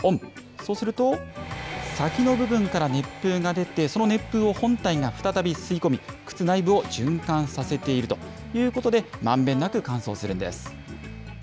そうすると、先の部分から熱風が出て、その熱風を本体が再び吸い込み、靴内部を循環させているということで、まんべんなく乾燥するんです。